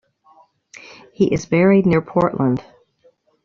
He is buried near Portland.